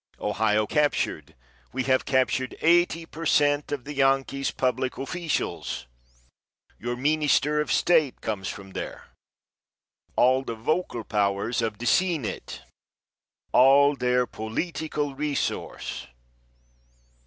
Ohio captured, we have captured eighty per cent. of the Yankees' public officials. Your Minister of State comes from there; all the vocal powers of the Senate; all their political resource.